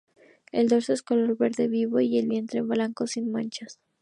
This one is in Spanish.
El dorso es de color verde vivo y el vientre blanco sin manchas.